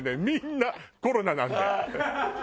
みんな「コロナなんで」。